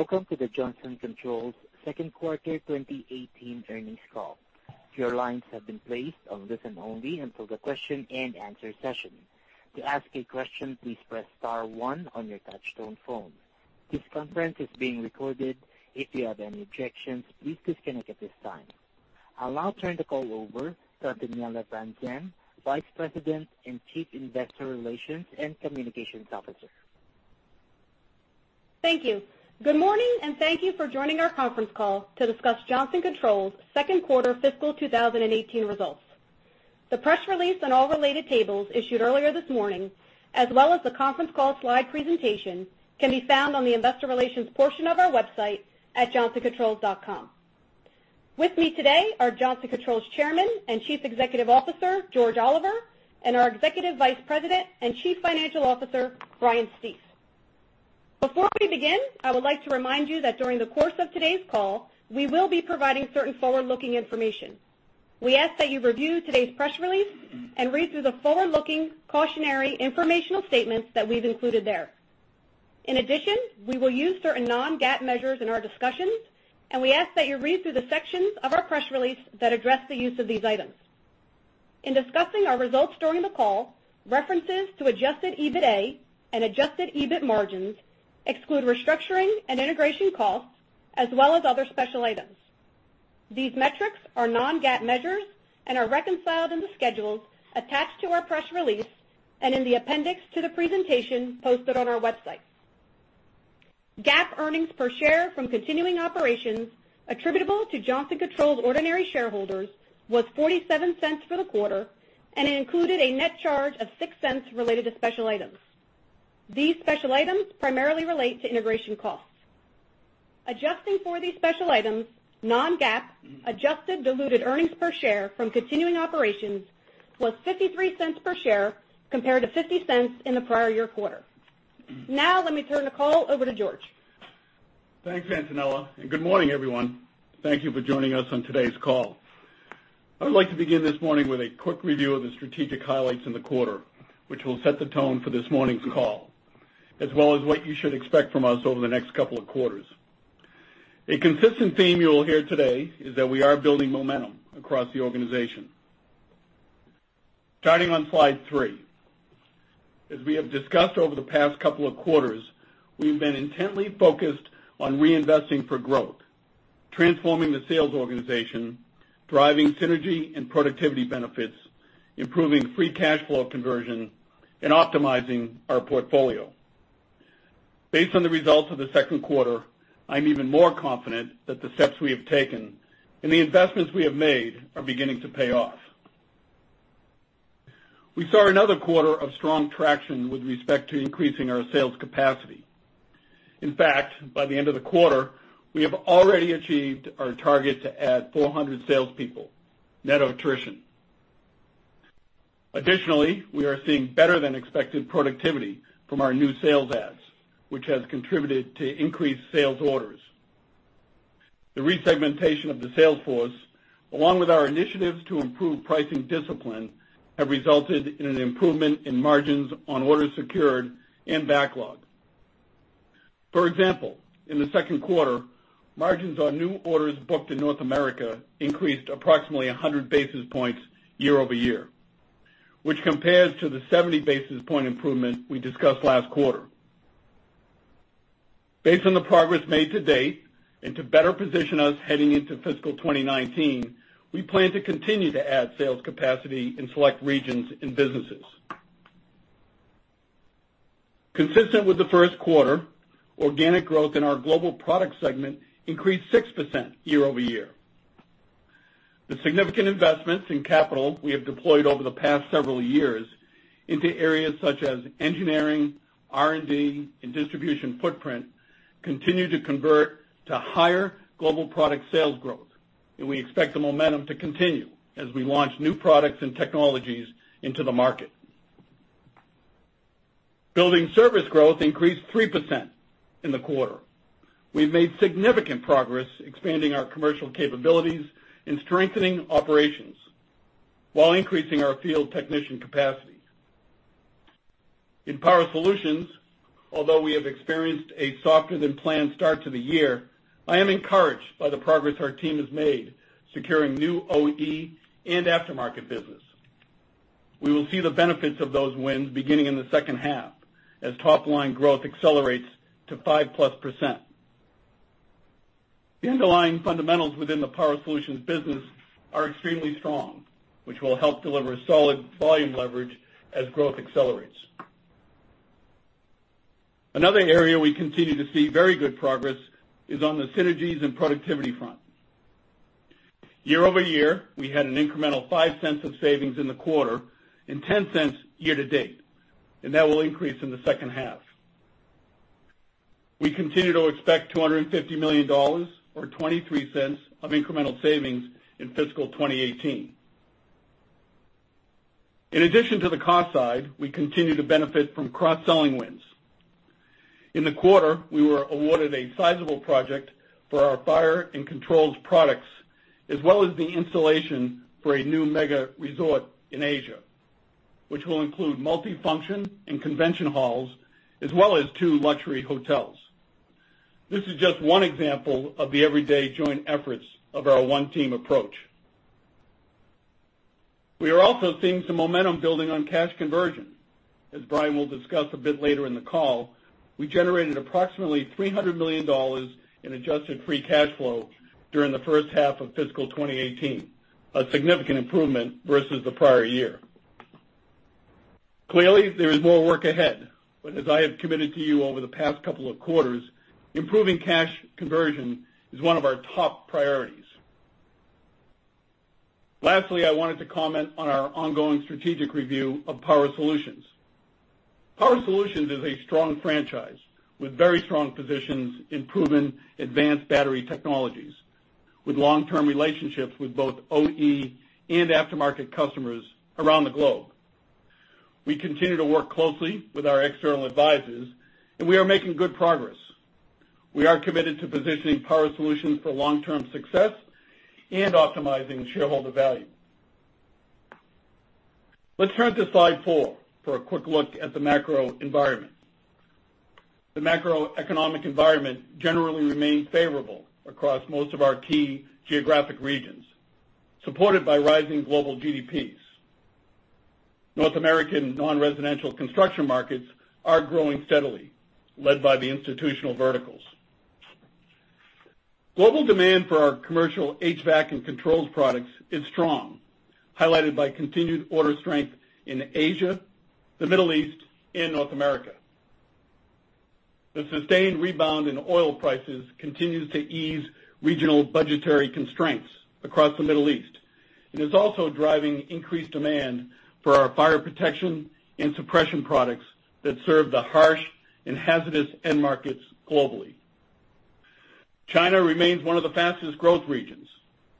Welcome to the Johnson Controls second quarter 2018 earnings call. Your lines have been placed on listen-only until the question and answer session. To ask a question, please press star one on your touchtone phone. This conference is being recorded. If you have any objections, please disconnect at this time. I'll now turn the call over to Antonella Franzen, Vice President and Chief Investor Relations and Communications Officer. Thank you. Good morning, and thank you for joining our conference call to discuss Johnson Controls second quarter fiscal 2018 results. The press release and all related tables issued earlier this morning, as well as the conference call slide presentation, can be found on the investor relations portion of our website at johnsoncontrols.com. With me today are Johnson Controls Chairman and Chief Executive Officer, George Oliver, and our Executive Vice President and Chief Financial Officer, Brian Stief. Before we begin, I would like to remind you that during the course of today's call, we will be providing certain forward-looking information. We ask that you review today's press release and read through the forward-looking cautionary informational statements that we've included there. In addition, we will use certain non-GAAP measures in our discussions, and we ask that you read through the sections of our press release that address the use of these items. In discussing our results during the call, references to adjusted EBITA and adjusted EBIT margins exclude restructuring and integration costs, as well as other special items. These metrics are non-GAAP measures and are reconciled in the schedules attached to our press release and in the appendix to the presentation posted on our website. GAAP earnings per share from continuing operations attributable to Johnson Controls ordinary shareholders was $0.47 for the quarter, and it included a net charge of $0.06 related to special items. These special items primarily relate to integration costs. Adjusting for these special items, non-GAAP adjusted diluted earnings per share from continuing operations was $0.53 per share compared to $0.50 in the prior year quarter. Now let me turn the call over to George. Thanks, Antonella, and good morning, everyone. Thank you for joining us on today's call. I would like to begin this morning with a quick review of the strategic highlights in the quarter, which will set the tone for this morning's call, as well as what you should expect from us over the next couple of quarters. A consistent theme you will hear today is that we are building momentum across the organization. Starting on slide three. As we have discussed over the past couple of quarters, we've been intently focused on reinvesting for growth, transforming the sales organization, driving synergy and productivity benefits, improving free cash flow conversion, and optimizing our portfolio. Based on the results of the second quarter, I'm even more confident that the steps we have taken and the investments we have made are beginning to pay off. We saw another quarter of strong traction with respect to increasing our sales capacity. In fact, by the end of the quarter, we have already achieved our target to add 400 salespeople, net of attrition. Additionally, we are seeing better-than-expected productivity from our new sales ads, which has contributed to increased sales orders. The resegmentation of the sales force, along with our initiatives to improve pricing discipline, have resulted in an improvement in margins on orders secured and backlog. For example, in the second quarter, margins on new orders booked in North America increased approximately 100 basis points year-over-year, which compares to the 70 basis point improvement we discussed last quarter. Based on the progress made to date and to better position us heading into fiscal 2019, we plan to continue to add sales capacity in select regions and businesses. Consistent with the first quarter, organic growth in our global product segment increased 6% year-over-year. The significant investments in capital we have deployed over the past several years into areas such as engineering, R&D, and distribution footprint continue to convert to higher global product sales growth, and we expect the momentum to continue as we launch new products and technologies into the market. Building service growth increased 3% in the quarter. We've made significant progress expanding our commercial capabilities and strengthening operations while increasing our field technician capacity. In Power Solutions, although we have experienced a softer-than-planned start to the year, I am encouraged by the progress our team has made securing new OE and aftermarket business. We will see the benefits of those wins beginning in the second half as top-line growth accelerates to 5-plus percent. The underlying fundamentals within the Power Solutions business are extremely strong, which will help deliver solid volume leverage as growth accelerates. Another area we continue to see very good progress is on the synergies and productivity front. Year-over-year, we had an incremental $0.05 of savings in the quarter and $0.10 year to date, and that will increase in the second half. We continue to expect $250 million, or $0.23 of incremental savings, in fiscal 2018. In addition to the cost side, we continue to benefit from cross-selling wins. In the quarter, we were awarded a sizable project for our fire and controls products, as well as the installation for a new mega-resort in Asia, which will include multifunction and convention halls, as well as two luxury hotels. This is just one example of the everyday joint efforts of our one team approach. We are also seeing some momentum building on cash conversion. As Brian will discuss a bit later in the call, we generated approximately $300 million in adjusted free cash flow during the first half of fiscal 2018, a significant improvement versus the prior year. Clearly, there is more work ahead, but as I have committed to you over the past couple of quarters, improving cash conversion is one of our top priorities. Lastly, I wanted to comment on our ongoing strategic review of Power Solutions. Power Solutions is a strong franchise with very strong positions in proven advanced battery technologies, with long-term relationships with both OE and aftermarket customers around the globe. We continue to work closely with our external advisors, we are making good progress. We are committed to positioning Power Solutions for long-term success and optimizing shareholder value. Let's turn to slide four for a quick look at the macro environment. The macroeconomic environment generally remains favorable across most of our key geographic regions, supported by rising global GDPs. North American non-residential construction markets are growing steadily, led by the institutional verticals. Global demand for our commercial HVAC and controls products is strong, highlighted by continued order strength in Asia, the Middle East, and North America. The sustained rebound in oil prices continues to ease regional budgetary constraints across the Middle East, and is also driving increased demand for our fire protection and suppression products that serve the harsh and hazardous end markets globally. China remains one of the fastest growth regions.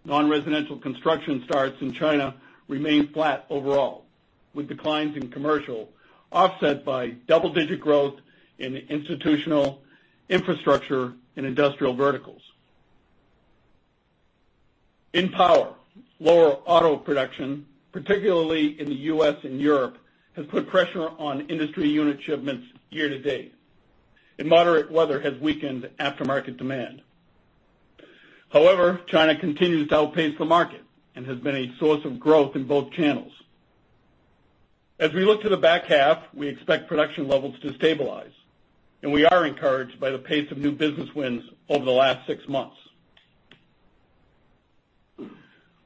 Non-residential construction starts in China remain flat overall, with declines in commercial offset by double-digit growth in institutional, infrastructure, and industrial verticals. In power, lower auto production, particularly in the U.S. and Europe, has put pressure on industry unit shipments year to date, and moderate weather has weakened aftermarket demand. However, China continues to outpace the market and has been a source of growth in both channels. As we look to the back half, we expect production levels to stabilize, and we are encouraged by the pace of new business wins over the last six months.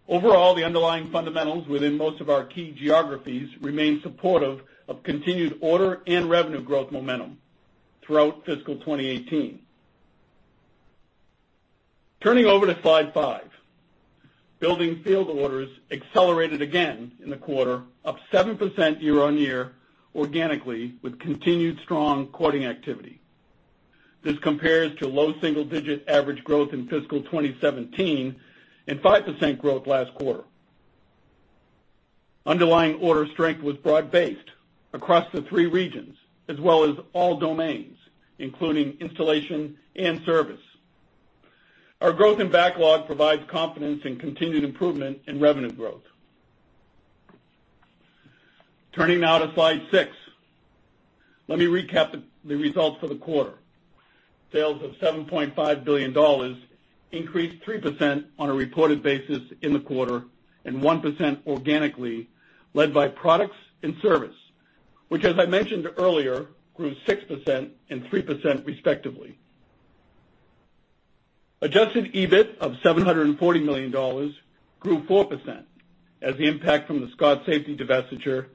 Overall, the underlying fundamentals within most of our key geographies remain supportive of continued order and revenue growth momentum throughout fiscal 2018. Turning over to slide five. Building field orders accelerated again in the quarter, up 7% year-on-year organically with continued strong quoting activity. This compares to low single-digit average growth in fiscal 2017 and 5% growth last quarter. Underlying order strength was broad-based across the three regions as well as all domains, including installation and service. Our growth and backlog provides confidence in continued improvement in revenue growth. Turning now to slide six. Let me recap the results for the quarter. Sales of $7.5 billion increased 3% on a reported basis in the quarter and 1% organically led by products and service, which as I mentioned earlier, grew 6% and 3% respectively. Adjusted EBIT of $740 million grew 4% as the impact from the Scott Safety divestiture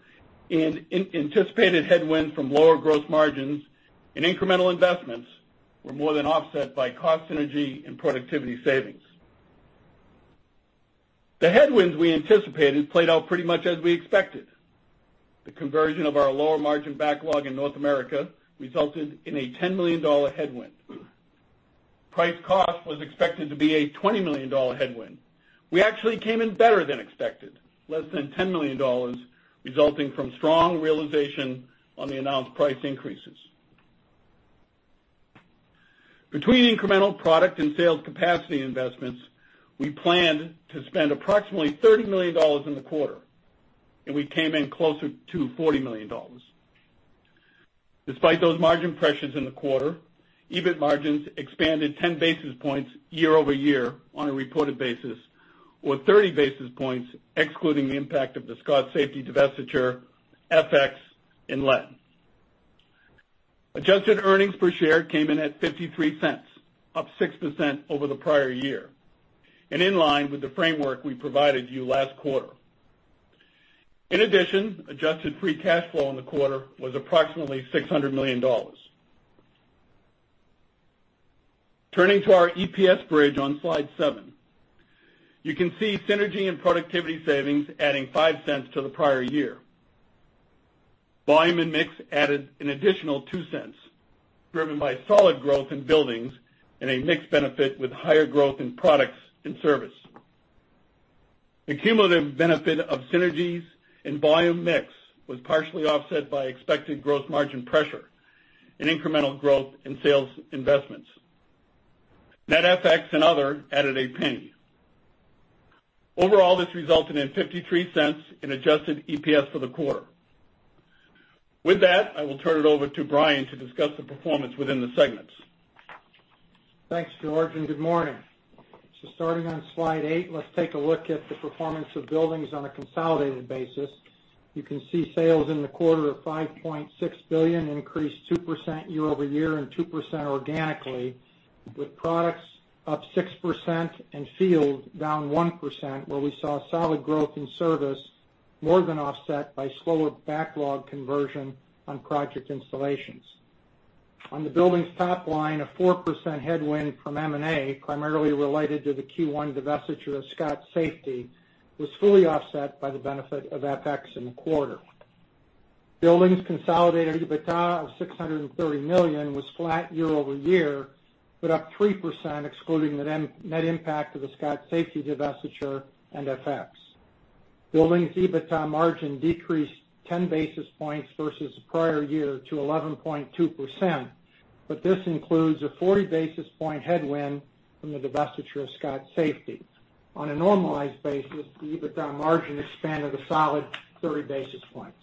and anticipated headwind from lower gross margins and incremental investments were more than offset by cost synergy and productivity savings. The headwinds we anticipated played out pretty much as we expected. The conversion of our lower margin backlog in North America resulted in a $10 million headwind. Price cost was expected to be a $20 million headwind. We actually came in better than expected, less than $10 million, resulting from strong realization on the announced price increases. Between incremental product and sales capacity investments, we planned to spend approximately $30 million in the quarter, and we came in closer to $40 million. Despite those margin pressures in the quarter, EBIT margins expanded 10 basis points year-over-year on a reported basis, or 30 basis points excluding the impact of the Scott Safety divestiture, FX, and lead. Adjusted earnings per share came in at $0.53, up 6% over the prior year, and in line with the framework we provided you last quarter. In addition, adjusted free cash flow in the quarter was approximately $600 million. Turning to our EPS bridge on slide seven. You can see synergy and productivity savings adding $0.05 to the prior year. Volume and mix added an additional $0.02, driven by solid growth in buildings and a mix benefit with higher growth in products and service. The cumulative benefit of synergies and volume mix was partially offset by expected gross margin pressure and incremental growth in sales investments. Net FX and other added $0.01. Overall, this resulted in $0.53 in adjusted EPS for the quarter. With that, I will turn it over to Brian to discuss the performance within the segments. Thanks, George, and good morning. Starting on slide eight, let's take a look at the performance of buildings on a consolidated basis. You can see sales in the quarter of $5.6 billion increased 2% year-over-year and 2% organically, with products up 6% and field down 1%, where we saw solid growth in service more than offset by slower backlog conversion on project installations. On the buildings top line, a 4% headwind from M&A, primarily related to the Q1 divestiture of Scott Safety, was fully offset by the benefit of FX in the quarter. Buildings' consolidated EBITA of $630 million was flat year-over-year, but up 3% excluding the net impact of the Scott Safety divestiture and FX. Buildings' EBITA margin decreased 10 basis points versus the prior year to 11.2%, but this includes a 40 basis point headwind from the divestiture of Scott Safety. On a normalized basis, the EBITA margin expanded a solid 30 basis points.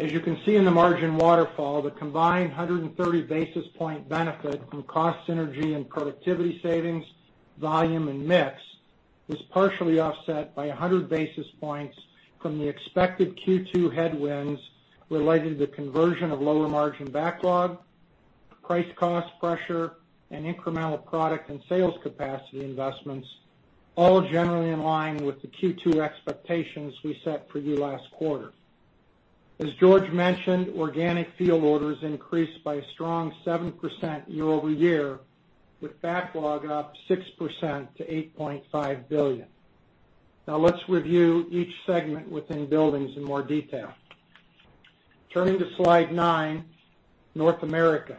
As you can see in the margin waterfall, the combined 130 basis point benefit from cost synergy and productivity savings, volume, and mix was partially offset by 100 basis points from the expected Q2 headwinds related to the conversion of lower margin backlog, price cost pressure, and incremental product and sales capacity investments, all generally in line with the Q2 expectations we set for you last quarter. As George mentioned, organic field orders increased by a strong 7% year-over-year, with backlog up 6% to $8.5 billion. Now let's review each segment within buildings in more detail. Turning to slide nine, North America.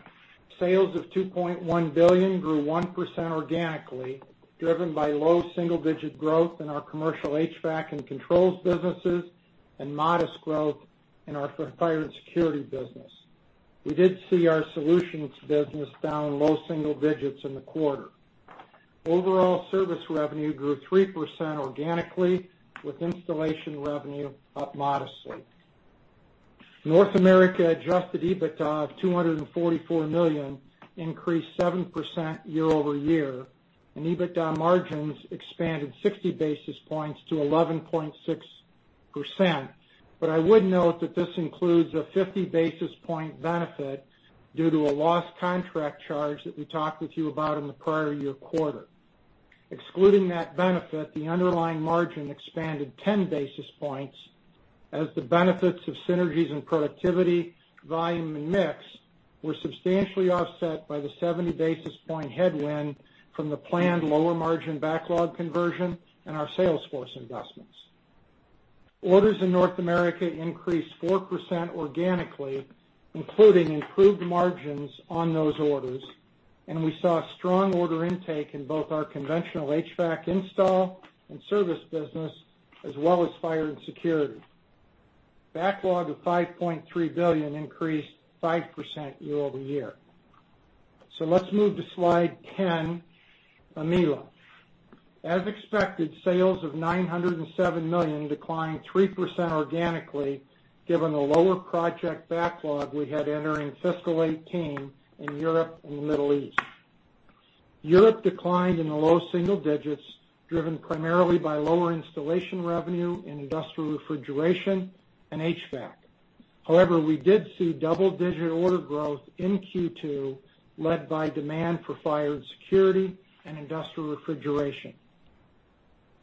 Sales of $2.1 billion grew 1% organically, driven by low single-digit growth in our commercial HVAC and controls businesses and modest growth in our fire and security business. We did see our solutions business down low single digits in the quarter. Overall service revenue grew 3% organically, with installation revenue up modestly. North America adjusted EBITDA of $244 million increased 7% year-over-year, and EBITA margins expanded 60 basis points to 11.6%. I would note that this includes a 50 basis point benefit due to a lost contract charge that we talked with you about in the prior year quarter. Excluding that benefit, the underlying margin expanded 10 basis points as the benefits of synergies and productivity, volume, and mix were substantially offset by the 70 basis point headwind from the planned lower margin backlog conversion and our sales force investments. Orders in North America increased 4% organically, including improved margins on those orders, and we saw strong order intake in both our conventional HVAC install and service business, as well as fire and security. Backlog of $5.3 billion increased 5% year-over-year. Let's move to slide 10, EMEA. As expected, sales of $907 million declined 3% organically, given the lower project backlog we had entering fiscal 2018 in Europe and the Middle East. Europe declined in the low single digits, driven primarily by lower installation revenue in industrial refrigeration and HVAC. However, we did see double-digit order growth in Q2, led by demand for fire and security and industrial refrigeration.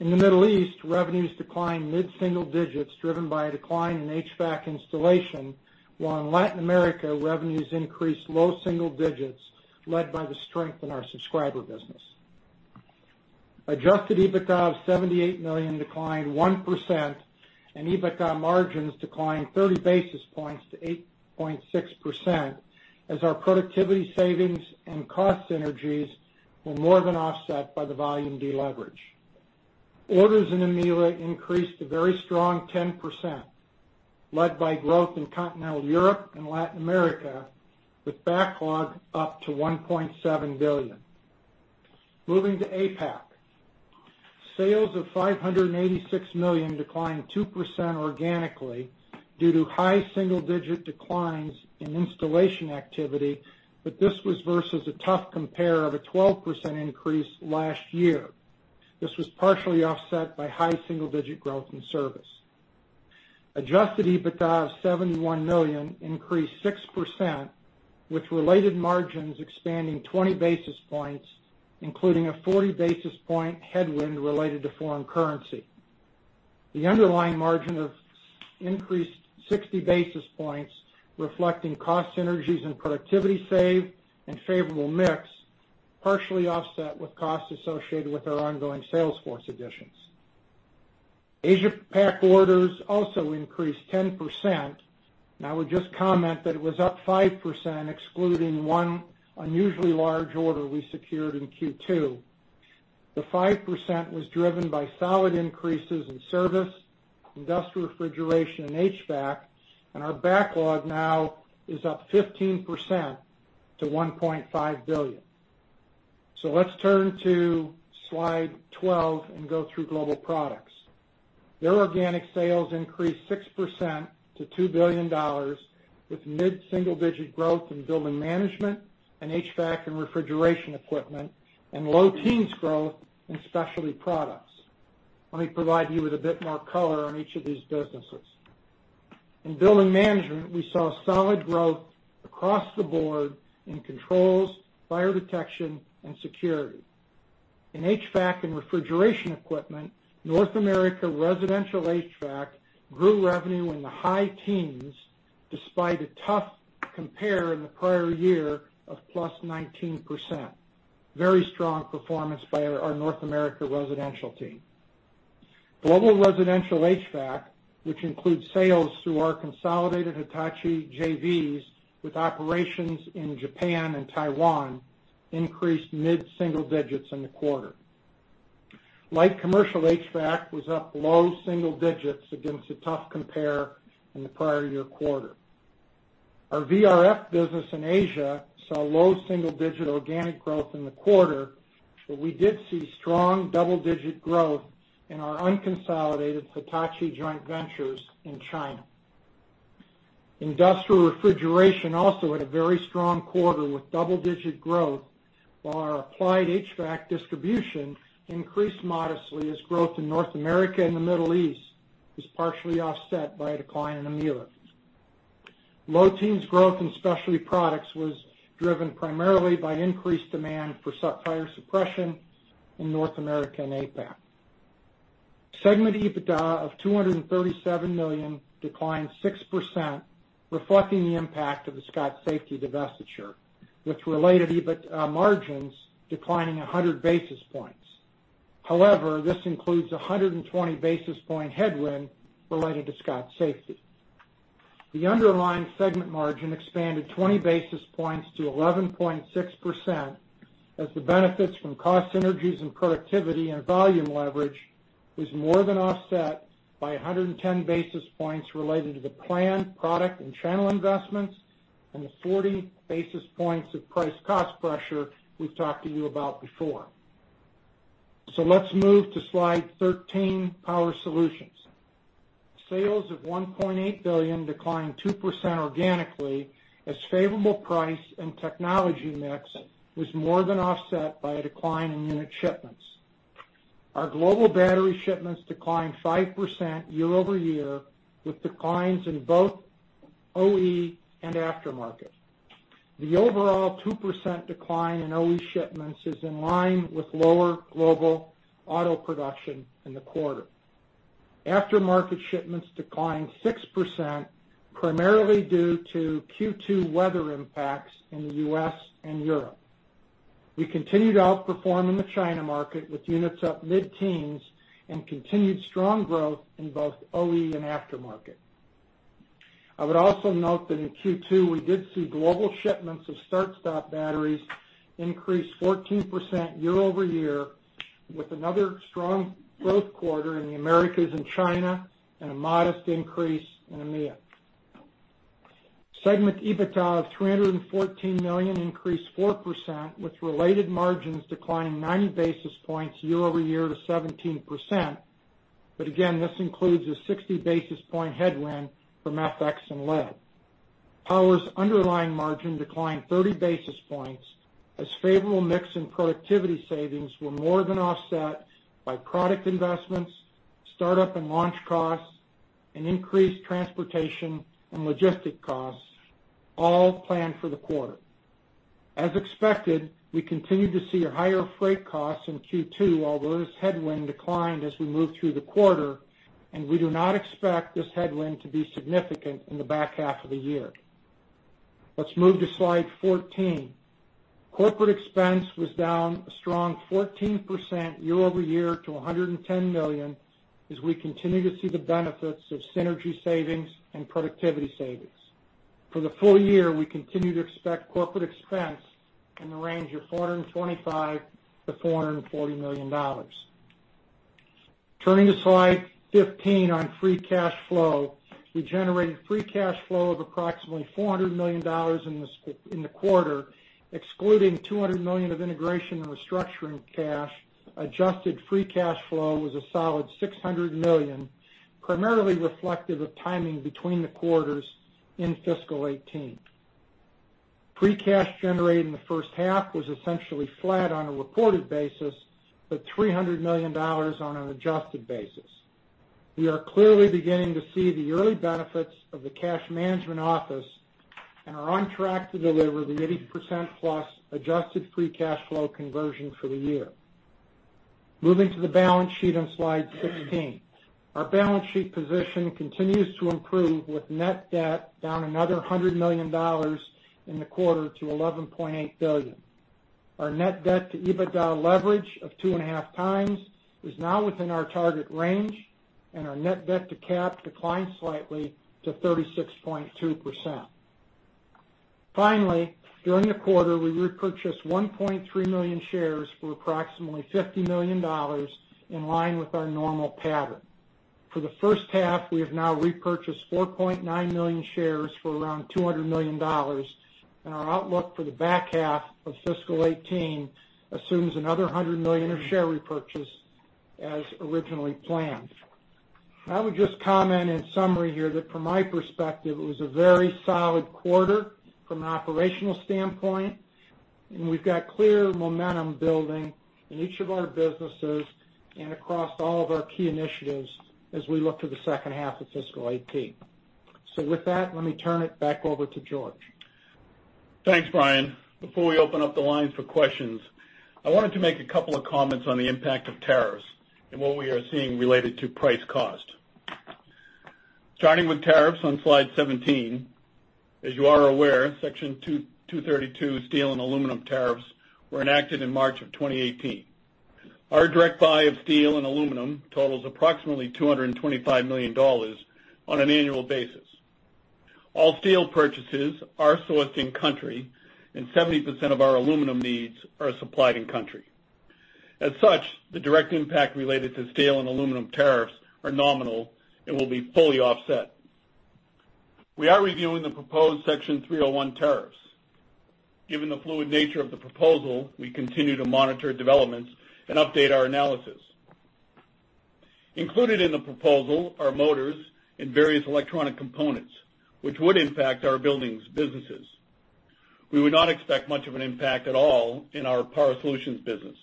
In the Middle East, revenues declined mid-single digits, driven by a decline in HVAC installation. While in Latin America, revenues increased low single digits, led by the strength in our subscriber business. Adjusted EBITDA of $78 million declined 1%, and EBITDA margins declined 30 basis points to 8.6% as our productivity savings and cost synergies were more than offset by the volume deleverage. Orders in EMEA increased a very strong 10%, led by growth in continental Europe and Latin America, with backlog up to $1.7 billion. Moving to APAC. Sales of $586 million declined 2% organically due to high single-digit declines in installation activity, but this was versus a tough compare of a 12% increase last year. This was partially offset by high single-digit growth in service. Adjusted EBITDA of $71 million increased 6%, with related margins expanding 20 basis points, including a 40 basis point headwind related to foreign currency. The underlying margin increased 60 basis points, reflecting cost synergies and productivity saved and favorable mix, partially offset with costs associated with our ongoing Salesforce additions. APAC orders also increased 10%, and I would just comment that it was up 5% excluding one unusually large order we secured in Q2. The 5% was driven by solid increases in service, industrial refrigeration, and HVAC. Our backlog now is up 15% to $1.5 billion. Let's turn to slide 12 and go through Global Products. Their organic sales increased 6% to $2 billion, with mid-single-digit growth in building management and HVAC and refrigeration equipment, and low teens growth in specialty products. Let me provide you with a bit more color on each of these businesses. In building management, we saw solid growth across the board in controls, fire detection, and security. In HVAC and refrigeration equipment, North America residential HVAC grew revenue in the high teens despite a tough compare in the prior year of plus 19%. Very strong performance by our North America residential team. Global residential HVAC, which includes sales through our consolidated Hitachi JVs with operations in Japan and Taiwan, increased mid-single digits in the quarter. Light commercial HVAC was up low single digits against a tough compare in the prior year quarter. Our VRF business in Asia saw low single-digit organic growth in the quarter, but we did see strong double-digit growth in our unconsolidated Hitachi joint ventures in China. Industrial refrigeration also had a very strong quarter with double-digit growth, while our applied HVAC distribution increased modestly as growth in North America and the Middle East was partially offset by a decline in EMEA. Low teens growth in specialty products was driven primarily by increased demand for fire suppression in North America and APAC. Segment EBITDA of $237 million declined 6%, reflecting the impact of the Scott Safety divestiture, with related EBIT margins declining 100 basis points. However, this includes 120 basis point headwind related to Scott Safety. The underlying segment margin expanded 20 basis points to 11.6% as the benefits from cost synergies and productivity and volume leverage was more than offset by 110 basis points related to the planned product and channel investments and the 40 basis points of price cost pressure we've talked to you about before. Let's move to slide 13, Power Solutions. Sales of $1.8 billion declined 2% organically as favorable price and technology mix was more than offset by a decline in unit shipments. Our global battery shipments declined 5% year over year, with declines in both OE and aftermarket. The overall 2% decline in OE shipments is in line with lower global auto production in the quarter. Aftermarket shipments declined 6%, primarily due to Q2 weather impacts in the U.S. and Europe. We continued to outperform in the China market, with units up mid-teens and continued strong growth in both OE and aftermarket. I would also note that in Q2, we did see global shipments of start-stop batteries increase 14% year over year, with another strong growth quarter in the Americas and China and a modest increase in EMEA. Segment EBITDA of $314 million increased 4%, with related margins declining 90 basis points year over year to 17%. Again, this includes a 60 basis point headwind from FX and lead. Power's underlying margin declined 30 basis points as favorable mix and productivity savings were more than offset by product investments, startup and launch costs, and increased transportation and logistic costs, all planned for the quarter. As expected, we continued to see higher freight costs in Q2, although this headwind declined as we moved through the quarter, and we do not expect this headwind to be significant in the back half of the year. Let's move to slide 14. Corporate expense was down a strong 14% year over year to $110 million, as we continue to see the benefits of synergy savings and productivity savings. For the full year, we continue to expect corporate expense in the range of $425 million-$440 million. Turning to slide 15 on free cash flow. We generated free cash flow of approximately $400 million in the quarter. Excluding $200 million of integration and restructuring cash, adjusted free cash flow was a solid $600 million, primarily reflective of timing between the quarters in fiscal 2018. Free cash generated in the first half was essentially flat on a reported basis, but $300 million on an adjusted basis. We are clearly beginning to see the early benefits of the cash management office and are on track to deliver the 80%+ adjusted free cash flow conversion for the year. Moving to the balance sheet on slide 16. Our balance sheet position continues to improve with net debt down another $100 million in the quarter to $11.8 billion. Our net debt to EBITDA leverage of 2.5x is now within our target range, and our net debt to cap declined slightly to 36.2%. Finally, during the quarter, we repurchased 1.3 million shares for approximately $50 million, in line with our normal pattern. For the first half, we have now repurchased 4.9 million shares for around $200 million, and our outlook for the back half of fiscal 2018 assumes another $100 million of share repurchase as originally planned. I would just comment in summary here that from my perspective, it was a very solid quarter from an operational standpoint, and we've got clear momentum building in each of our businesses and across all of our key initiatives as we look to the second half of fiscal 2018. With that, let me turn it back over to George. Thanks, Brian. Before we open up the lines for questions, I wanted to make a couple of comments on the impact of tariffs and what we are seeing related to price cost. Starting with tariffs on slide 17. As you are aware, Section 232 steel and aluminum tariffs were enacted in March of 2018. Our direct buy of steel and aluminum totals approximately $225 million on an annual basis. All steel purchases are sourced in country, and 70% of our aluminum needs are supplied in country. As such, the direct impact related to steel and aluminum tariffs are nominal and will be fully offset. We are reviewing the proposed Section 301 tariffs. Given the fluid nature of the proposal, we continue to monitor developments and update our analysis. Included in the proposal are motors and various electronic components, which would impact our buildings businesses. We would not expect much of an impact at all in our Power Solutions business.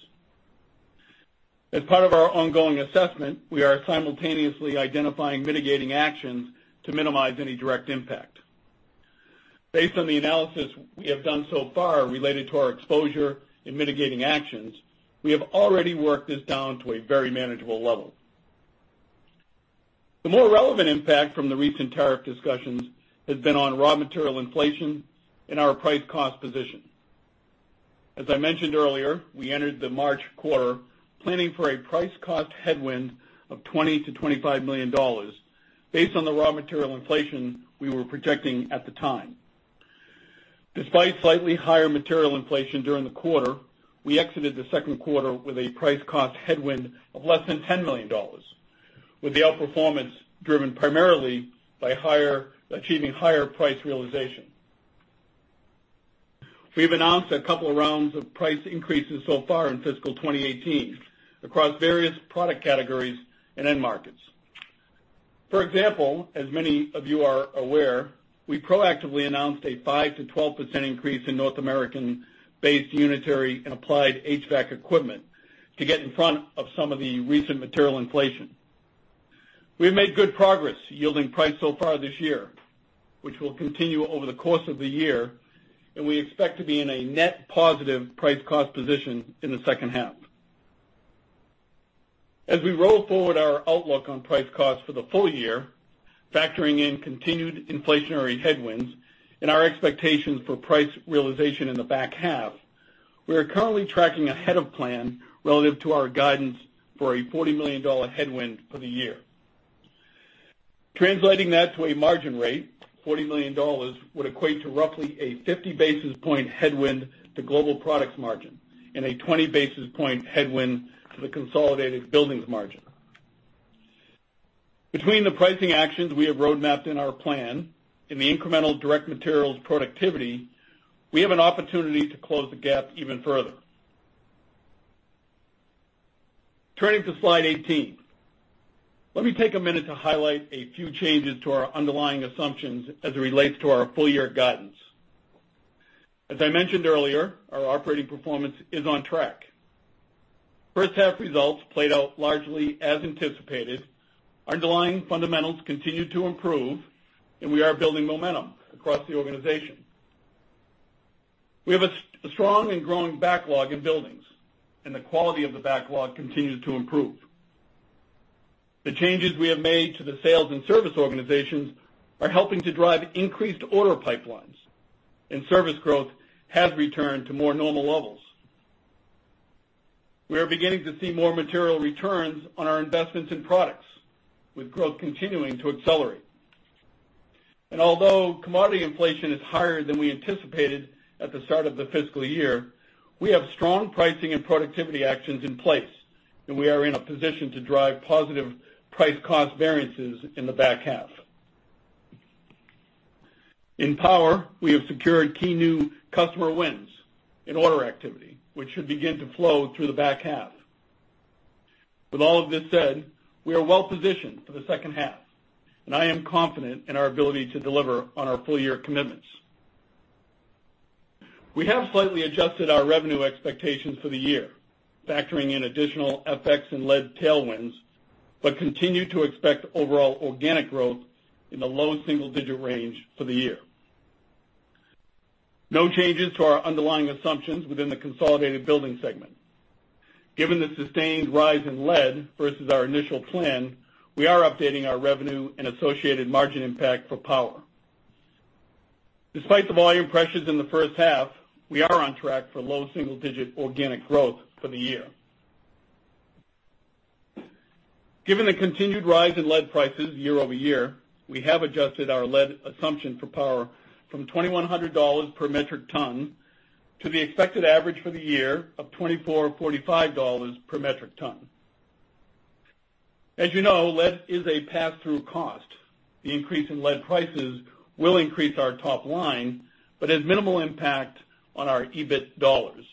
As part of our ongoing assessment, we are simultaneously identifying mitigating actions to minimize any direct impact. Based on the analysis we have done so far related to our exposure in mitigating actions, we have already worked this down to a very manageable level. The more relevant impact from the recent tariff discussions has been on raw material inflation and our price-cost position. As I mentioned earlier, we entered the March quarter planning for a price-cost headwind of $20 million-$25 million based on the raw material inflation we were projecting at the time. Despite slightly higher material inflation during the quarter, we exited the second quarter with a price-cost headwind of less than $10 million, with the outperformance driven primarily by achieving higher price realization. We've announced a couple of rounds of price increases so far in fiscal 2018 across various product categories and end markets. For example, as many of you are aware, we proactively announced a 5%-12% increase in North American-based unitary and applied HVAC equipment to get in front of some of the recent material inflation. We have made good progress yielding price so far this year, which will continue over the course of the year, and we expect to be in a net positive price-cost position in the second half. As we roll forward our outlook on price cost for the full year, factoring in continued inflationary headwinds and our expectations for price realization in the back half, we are currently tracking ahead of plan relative to our guidance for a $40 million headwind for the year. Translating that to a margin rate, $40 million would equate to roughly a 50 basis point headwind to Global Products margin and a 20 basis point headwind to the consolidated buildings margin. Between the pricing actions we have roadmapped in our plan and the incremental direct materials productivity, we have an opportunity to close the gap even further. Turning to slide 18. Let me take a minute to highlight a few changes to our underlying assumptions as it relates to our full-year guidance. As I mentioned earlier, our operating performance is on track. First half results played out largely as anticipated. Underlying fundamentals continue to improve, and we are building momentum across the organization. We have a strong and growing backlog in buildings, and the quality of the backlog continues to improve. The changes we have made to the sales and service organizations are helping to drive increased order pipelines, and service growth has returned to more normal levels. We are beginning to see more material returns on our investments in products, with growth continuing to accelerate. Although commodity inflation is higher than we anticipated at the start of the fiscal year, we have strong pricing and productivity actions in place, and we are in a position to drive positive price-cost variances in the back half. In Power, we have secured key new customer wins and order activity, which should begin to flow through the back half. With all of this said, we are well positioned for the second half, and I am confident in our ability to deliver on our full-year commitments. We have slightly adjusted our revenue expectations for the year, factoring in additional FX and lead tailwinds, but continue to expect overall organic growth in the low single-digit range for the year. No changes to our underlying assumptions within the consolidated Buildings segment. Given the sustained rise in lead versus our initial plan, we are updating our revenue and associated margin impact for Power. Despite the volume pressures in the first half, we are on track for low single-digit organic growth for the year. Given the continued rise in lead prices year-over-year, we have adjusted our lead assumption for Power from $2,100 per metric ton to the expected average for the year of $2,445 per metric ton. As you know, lead is a pass-through cost. The increase in lead prices will increase our top line, has minimal impact on our EBIT dollars,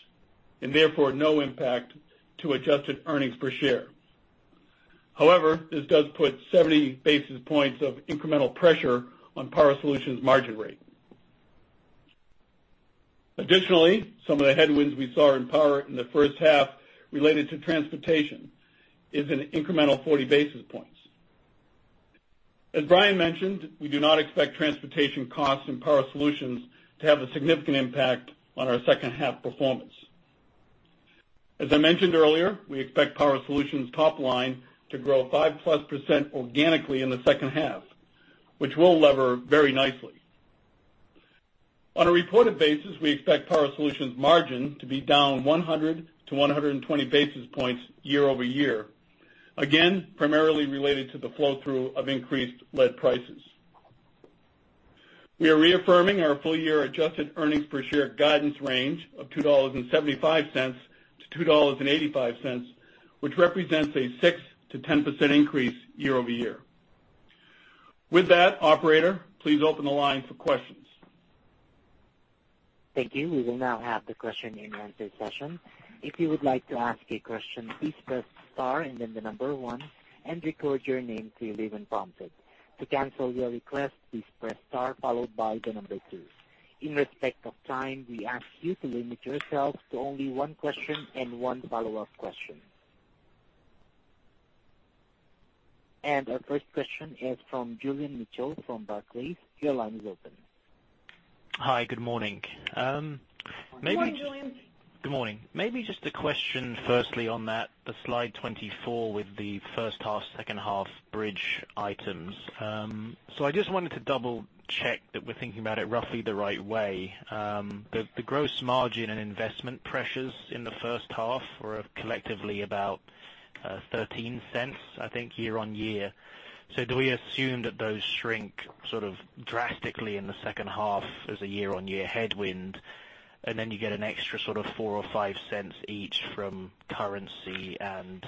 and therefore no impact to adjusted earnings per share. However, this does put 70 basis points of incremental pressure on Power Solutions margin rate. Additionally, some of the headwinds we saw in power in the first half related to transportation is an incremental 40 basis points. As Brian mentioned, we do not expect transportation costs in Power Solutions to have a significant impact on our second half performance. As I mentioned earlier, we expect Power Solutions top line to grow five plus % organically in the second half, which will lever very nicely. On a reported basis, we expect Power Solutions margin to be down 100-120 basis points year-over-year, again, primarily related to the flow-through of increased lead prices. We are reaffirming our full year adjusted earnings per share guidance range of $2.75-$2.85, which represents a 6%-10% increase year-over-year. With that, operator, please open the line for questions. Thank you. We will now have the question and answer session. If you would like to ask a question, please press star and then the number 1, and record your name clearly when prompted. To cancel your request, please press star followed by the number 2. In respect of time, we ask you to limit yourself to only one question and one follow-up question. Our first question is from Julian Mitchell from Barclays. Your line is open. Hi. Good morning. Good morning, Julian. Good morning. Maybe just a question firstly on that, the Slide 24 with the first half, second half bridge items. I just wanted to double check that we're thinking about it roughly the right way. The gross margin and investment pressures in the first half were collectively about $0.13, I think, year-over-year. Do we assume that those shrink sort of drastically in the second half as a year-over-year headwind, and then you get an extra sort of $0.04 or $0.05 each from currency and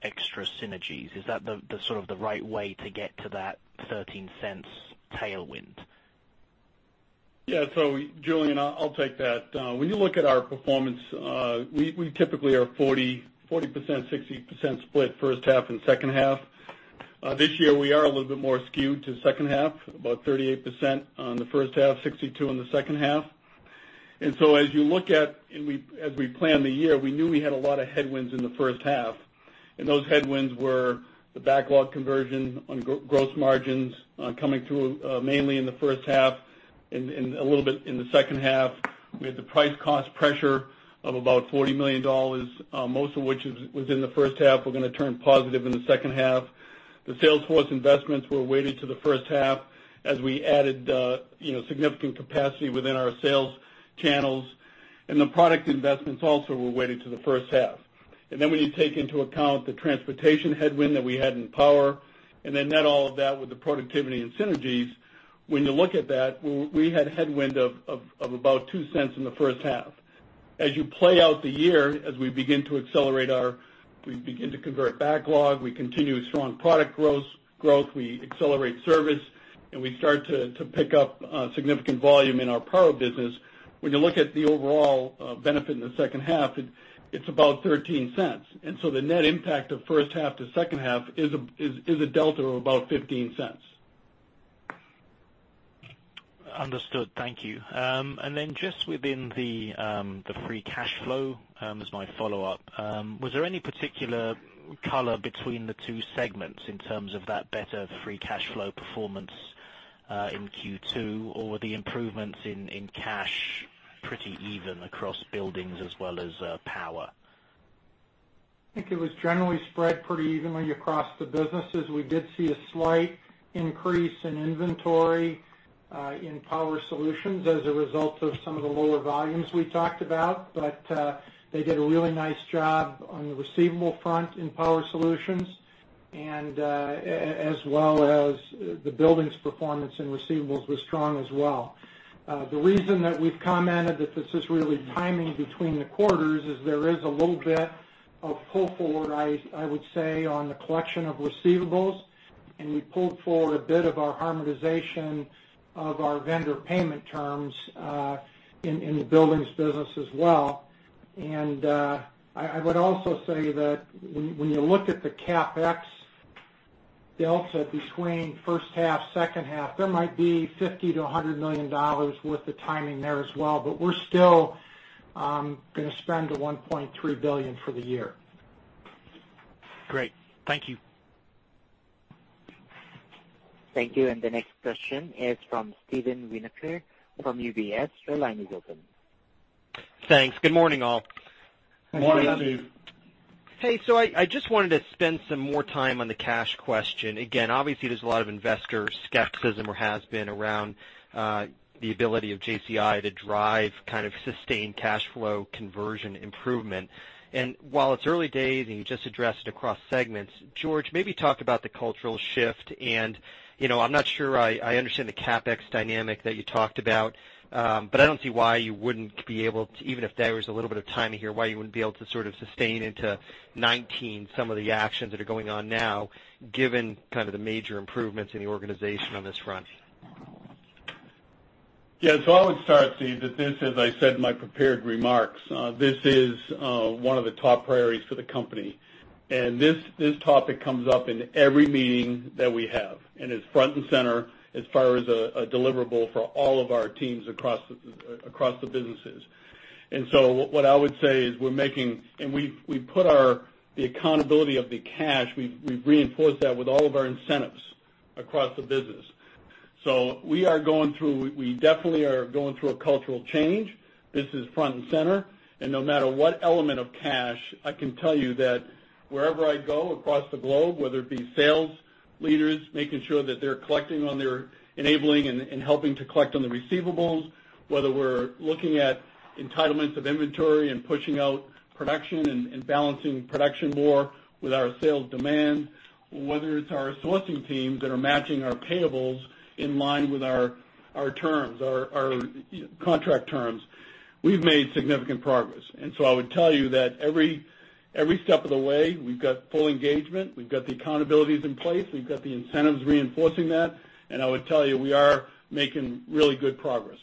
extra synergies? Is that the sort of the right way to get to that $0.13 tailwind? Yeah. Julian, I'll take that. When you look at our performance, we typically are 40%, 60% split first half and second half. This year we are a little bit more skewed to second half, about 38% on the first half, 62% on the second half. As you look at, as we planned the year, we knew we had a lot of headwinds in the first half, and those headwinds were the backlog conversion on gross margins coming through mainly in the first half and a little bit in the second half. We had the price cost pressure of about $40 million, most of which was in the first half, were going to turn positive in the second half. The Salesforce investments were weighted to the first half as we added significant capacity within our sales channels, and the product investments also were weighted to the first half. When you take into account the transportation headwind that we had in Power Solutions and then net all of that with the productivity and synergies, when you look at that, we had headwind of about $0.02 in the first half. As you play out the year, as we begin to accelerate our, we begin to convert backlog, we continue strong product growth, we accelerate service, and we start to pick up significant volume in our Power Solutions business. When you look at the overall benefit in the second half, it's about $0.13. The net impact of first half to second half is a delta of about $0.15. Understood. Thank you. Then just within the free cash flow, as my follow-up, was there any particular color between the two segments in terms of that better free cash flow performance in Q2, or were the improvements in cash pretty even across buildings as well as power? I think it was generally spread pretty evenly across the businesses. We did see a slight increase in inventory in Power Solutions as a result of some of the lower volumes we talked about. They did a really nice job on the receivable front in Power Solutions and, as well as the buildings performance and receivables were strong as well. The reason that we've commented that this is really timing between the quarters is there is a little bit of pull forward, I would say, on the collection of receivables. We pulled forward a bit of our harmonization of our vendor payment terms in the buildings business as well. I would also say that when you look at the CapEx delta between first half, second half, there might be $50 million-$100 million worth of timing there as well, but we're still going to spend the $1.3 billion for the year. Great. Thank you. Thank you. The next question is from Stephen from UBS. Your line is open Thanks. Good morning, all. Good morning, Steve. Hey, I just wanted to spend some more time on the cash question. Again, obviously there's a lot of investor skepticism or has been around the ability of JCI to drive sustained cash flow conversion improvement. While it's early days, and you just addressed it across segments, George, maybe talk about the cultural shift and I'm not sure I understand the CapEx dynamic that you talked about, but I don't see why you wouldn't be able to, even if there was a little bit of timing here, why you wouldn't be able to sustain into 2019 some of the actions that are going on now, given the major improvements in the organization on this front. I would start, Steve, that this, as I said in my prepared remarks, this is one of the top priorities for the company. This topic comes up in every meeting that we have, and it's front and center as far as a deliverable for all of our teams across the businesses. What I would say is we're making, and we put the accountability of the cash, we've reinforced that with all of our incentives across the business. We definitely are going through a cultural change. This is front and center. No matter what element of cash, I can tell you that wherever I go across the globe, whether it be sales leaders making sure that they're collecting on their enabling and helping to collect on the receivables, whether we're looking at entitlements of inventory and pushing out production and balancing production more with our sales demand, whether it's our sourcing teams that are matching our payables in line with our contract terms. We've made significant progress. I would tell you that every step of the way, we've got full engagement, we've got the accountabilities in place, we've got the incentives reinforcing that, and I would tell you, we are making really good progress.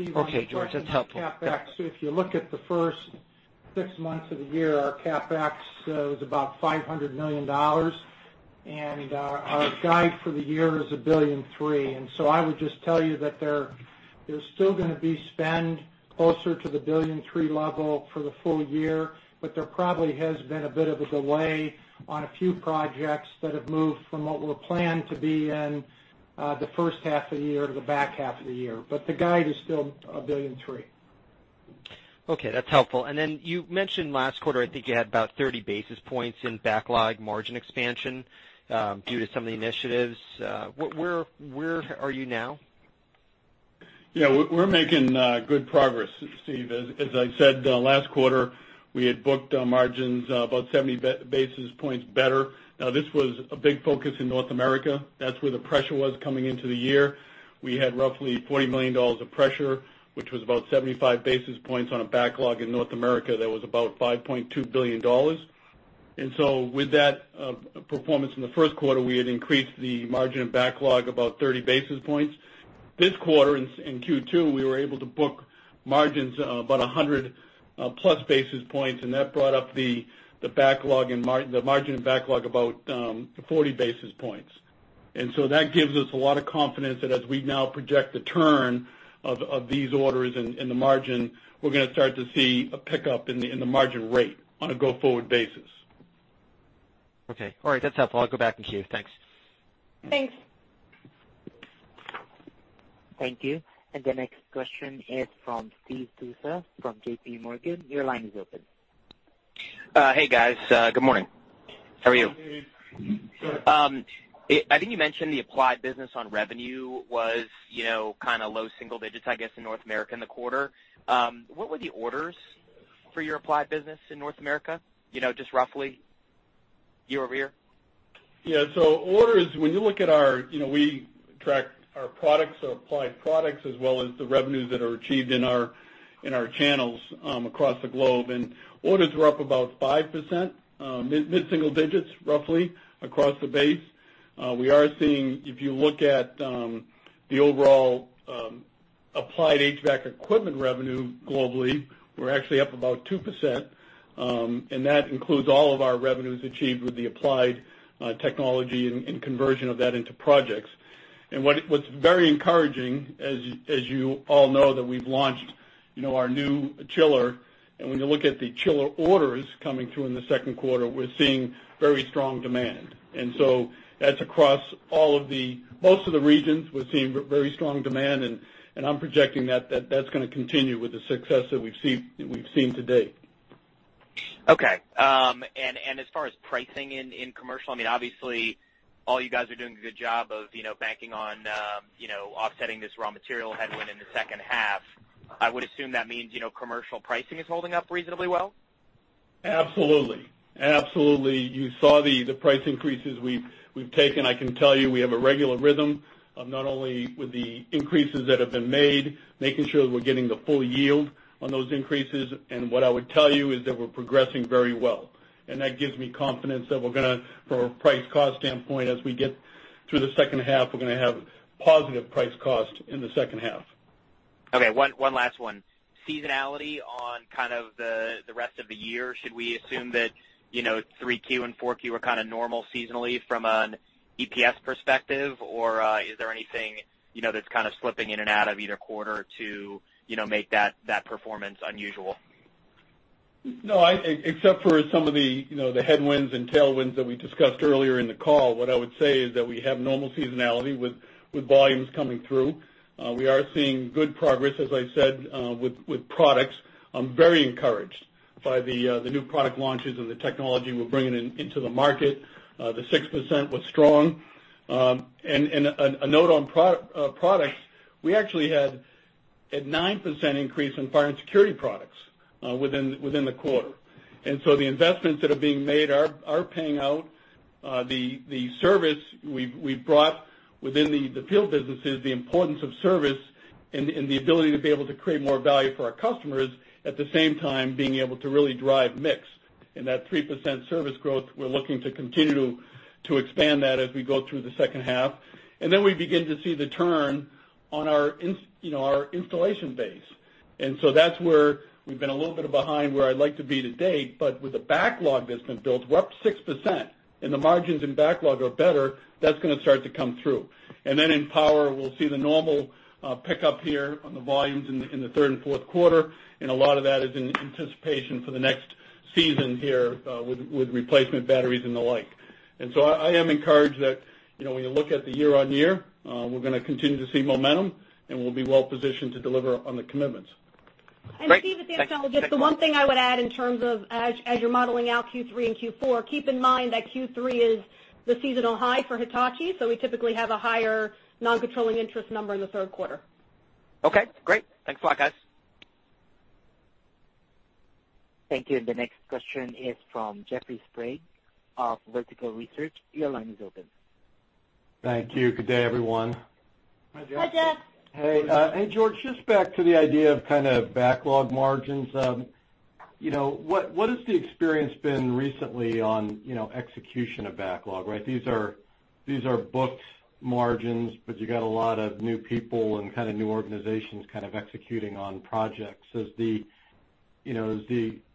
Okay, George, that's helpful. If you look at the first six months of the year, our CapEx was about $500 million. Our guide for the year is $1.3 billion. I would just tell you that there's still going to be spend closer to the $1.3 billion level for the full year, there probably has been a bit of a delay on a few projects that have moved from what were planned to be in the first half of the year to the back half of the year. The guide is still $1.3 billion. Okay, that's helpful. You mentioned last quarter, I think you had about 30 basis points in backlog margin expansion, due to some of the initiatives. Where are you now? Yeah, we're making good progress, Steve. As I said, last quarter, we had booked margins about 70 basis points better. Now, this was a big focus in North America. That's where the pressure was coming into the year. We had roughly $40 million of pressure, which was about 75 basis points on a backlog in North America that was about $5.2 billion. With that performance in the first quarter, we had increased the margin and backlog about 30 basis points. This quarter, in Q2, we were able to book margins about 100 plus basis points, and that brought up the margin and backlog about 40 basis points. That gives us a lot of confidence that as we now project the turn of these orders in the margin, we're going to start to see a pickup in the margin rate on a go-forward basis. Okay. All right. That's helpful. I'll go back in queue. Thanks. Thanks. Thank you. The next question is from Steve Tusa from JPMorgan. Your line is open. Hey, guys. Good morning. How are you? Hey. I think you mentioned the Applied business on revenue was low single digits, I guess, in North America in the quarter. What were the orders for your Applied business in North America, just roughly year-over-year? Yeah. Orders, we track our products, our Applied products, as well as the revenues that are achieved in our channels across the globe. Orders were up about 5%, mid-single digits, roughly, across the base. We are seeing, if you look at the overall Applied HVAC equipment revenue globally, we're actually up about 2%, and that includes all of our revenues achieved with the Applied technology and conversion of that into projects. What's very encouraging, as you all know, that we've launched our new chiller, and when you look at the chiller orders coming through in the second quarter, we're seeing very strong demand. That's across most of the regions. We're seeing very strong demand, and I'm projecting that that's going to continue with the success that we've seen to date. Okay. As far as pricing in commercial, obviously all you guys are doing a good job of banking on offsetting this raw material headwind in the second half. I would assume that means commercial pricing is holding up reasonably well? Absolutely. You saw the price increases we've taken. I can tell you we have a regular rhythm of not only with the increases that have been made, making sure that we're getting the full yield on those increases, what I would tell you is that we're progressing very well. That gives me confidence that we're going to, from a price cost standpoint, as we get through the second half, we're going to have positive price cost in the second half. Okay, one last one. Seasonality on the rest of the year. Should we assume that 3Q and 4Q are kind of normal seasonally from an EPS perspective? Is there anything that's kind of slipping in and out of either quarter to make that performance unusual? No, except for some of the headwinds and tailwinds that we discussed earlier in the call, what I would say is that we have normal seasonality with volumes coming through. We are seeing good progress, as I said, with products. I'm very encouraged by the new product launches and the technology we're bringing into the market. The 6% was strong. A note on products, we actually had a 9% increase in fire and security products within the quarter. The investments that are being made are paying out. The service we've brought within the field businesses, the importance of service, and the ability to be able to create more value for our customers, at the same time, being able to really drive mix. That 3% service growth, we're looking to continue to expand that as we go through the second half. We begin to see the turn on our installation base. That's where we've been a little bit behind where I'd like to be to date, but with the backlog that's been built, we're up 6%, and the margins in backlog are better. That's going to start to come through. In power, we'll see the normal pickup here on the volumes in the third and fourth quarter, and a lot of that is in anticipation for the next season here with replacement batteries and the like. I am encouraged that when you look at the year-over-year, we're going to continue to see momentum, and we'll be well positioned to deliver on the commitments. Great. Thanks. Steve, the one thing I would add in terms of as you're modeling out Q3 and Q4, keep in mind that Q3 is the seasonal high for Hitachi, so we typically have a higher non-controlling interest number in the third quarter. Okay, great. Thanks a lot, guys. Thank you. The next question is from Jeffrey Sprague of Vertical Research. Your line is open. Thank you. Good day, everyone. Hi, Jeff. Hi, Jeff. Hey. George, just back to the idea of kind of backlog margins. What has the experience been recently on execution of backlog, right? These are booked margins, but you got a lot of new people and kind of new organizations kind of executing on projects. Has the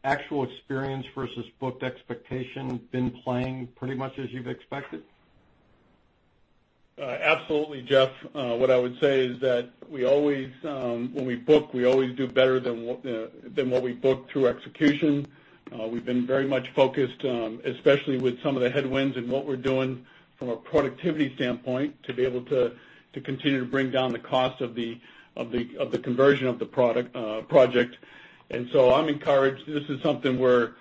actual experience versus booked expectation been playing pretty much as you've expected? Absolutely, Jeff. What I would say is that when we book, we always do better than what we book through execution. We've been very much focused, especially with some of the headwinds and what we're doing from a productivity standpoint, to be able to continue to bring down the cost of the conversion of the project. I'm encouraged. This is something we're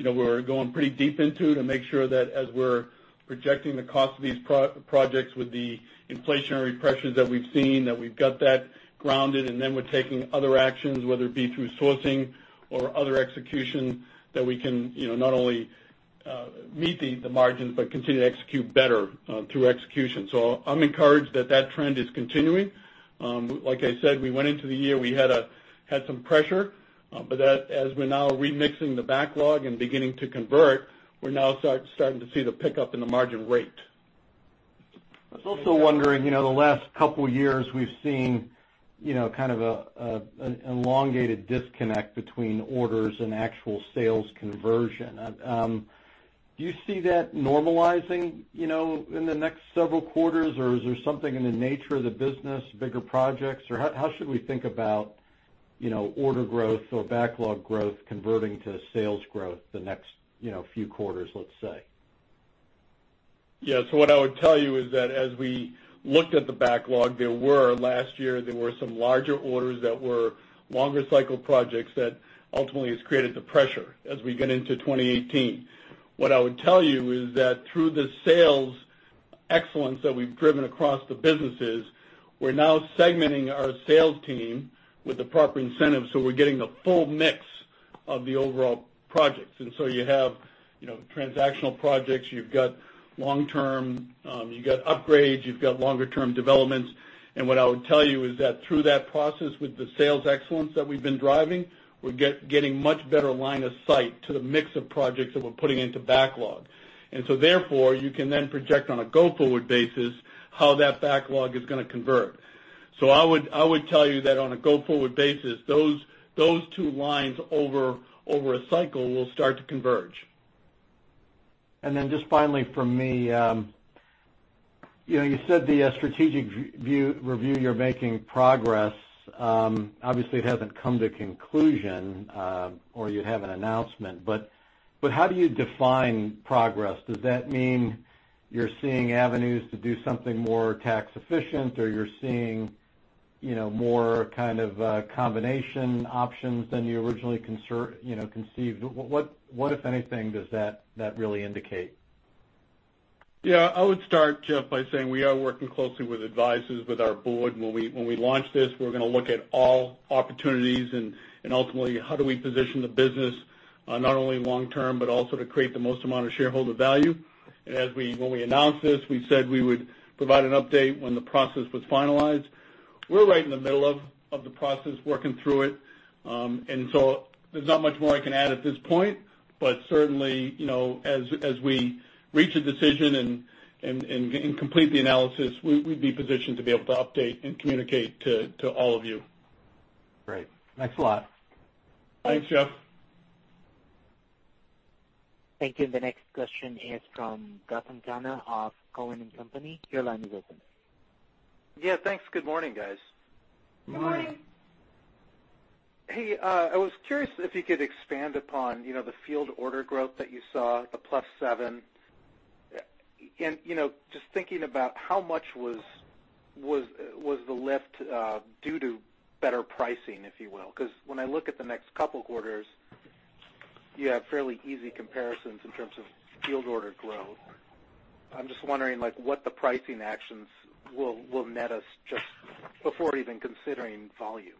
going pretty deep into to make sure that as we're projecting the cost of these projects with the inflationary pressures that we've seen, that we've got that grounded, and then we're taking other actions, whether it be through sourcing or other execution, that we can not only meet the margins, but continue to execute better through execution. I'm encouraged that that trend is continuing. Like I said, we went into the year, we had some pressure. As we're now remixing the backlog and beginning to convert, we're now starting to see the pickup in the margin rate. I was also wondering, the last couple years we've seen kind of an elongated disconnect between orders and actual sales conversion. Do you see that normalizing in the next several quarters, or is there something in the nature of the business, bigger projects? Or how should we think about order growth or backlog growth converting to sales growth the next few quarters, let's say? Yeah. What I would tell you is that as we looked at the backlog, last year, there were some larger orders that were longer cycle projects that ultimately has created the pressure as we get into 2018. What I would tell you is that through the sales excellence that we've driven across the businesses, we're now segmenting our sales team with the proper incentives, so we're getting the full mix of the overall projects. You have transactional projects, you've got long-term, you've got upgrades, you've got longer-term developments. What I would tell you is that through that process with the sales excellence that we've been driving, we're getting much better line of sight to the mix of projects that we're putting into backlog. Therefore, you can then project on a go-forward basis how that backlog is going to convert. I would tell you that on a go-forward basis, those two lines over a cycle will start to converge. Just finally from me, you said the strategic review, you're making progress. Obviously, it hasn't come to conclusion or you have an announcement, but how do you define progress? Does that mean you're seeing avenues to do something more tax efficient, or you're seeing more kind of combination options than you originally conceived? What, if anything, does that really indicate? I would start, Jeff, by saying we are working closely with advisors, with our board. When we launch this, we're going to look at all opportunities and ultimately, how do we position the business not only long-term, but also to create the most amount of shareholder value? When we announced this, we said we would provide an update when the process was finalized. We're right in the middle of the process, working through it. There's not much more I can add at this point, but certainly, as we reach a decision and complete the analysis, we'd be positioned to be able to update and communicate to all of you. Great. Thanks a lot. Thanks, Jeff. Thank you. The next question is from Gautam Khanna of Cowen and Company. Your line is open. Yeah, thanks. Good morning, guys. Good morning. Good morning. Hey, I was curious if you could expand upon the field order growth that you saw, the plus seven. Just thinking about how much was the lift due to better pricing, if you will? Because when I look at the next couple quarters, you have fairly easy comparisons in terms of field order growth. I am just wondering what the pricing actions will net us just before even considering volume.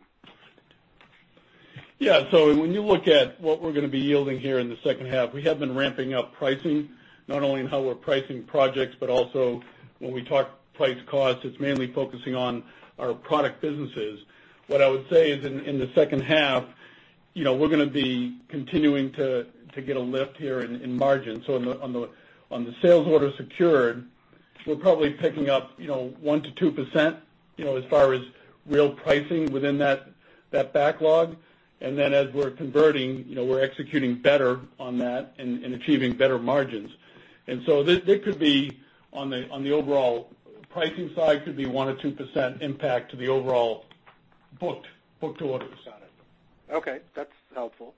When you look at what we're going to be yielding here in the second half, we have been ramping up pricing, not only in how we're pricing projects, but also when we talk price cost, it's mainly focusing on our product businesses. What I would say is in the second half, we're going to be continuing to get a lift here in margins. On the sales order secured, we're probably picking up 1%-2% as far as real pricing within that backlog. Then as we're converting, we're executing better on that and achieving better margins. So it could be, on the overall pricing side, could be 1% or 2% impact to the overall booked orders. Got it. Okay, that's helpful.